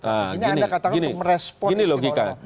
ini anda katakan untuk merespon istimewa ulama